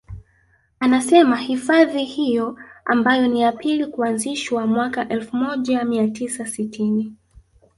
Anasema hifadhi hiyo ambayo ni ya pili kuanzishwa mwaka elfu moja mia tisa sitini